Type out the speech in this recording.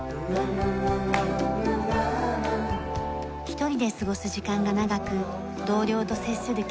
一人で過ごす時間が長く同僚と接する機会が少ない